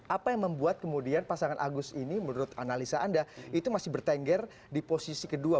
apa yang membuat kemudian pasangan agus ini menurut analisa anda itu masih bertengger di posisi kedua